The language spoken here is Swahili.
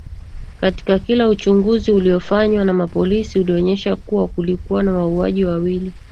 Katika kila uchunguzi uliofanywa na mapolisi ulionyesha kuwa kulikuwa na wauaji wawili